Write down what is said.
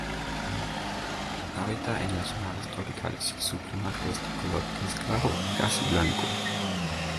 Habita en los mares tropicales, su plumaje es de color gris claro, casi blanco.